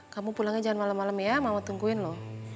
kamu pulangnya jangan malem malem ya mama tungguin loh